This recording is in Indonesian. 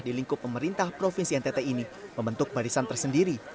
di lingkup pemerintah provinsi ntt ini membentuk barisan tersendiri